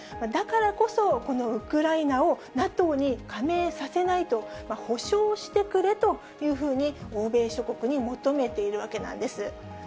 だからこそ、このウクライナをＮＡＴＯに加盟させないと保証してくれというふうに、欧米諸国に求めているわけなんです。